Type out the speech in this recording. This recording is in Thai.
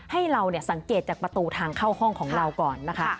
ให้เราสังเกตจากประตูทางเข้าห้องของเราก่อนนะคะ